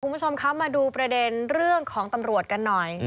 คุณผู้ชมคะมาดูประเด็นเรื่องของตำรวจกันหน่อย